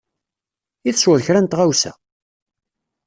I tesweḍ kra n tɣawsa?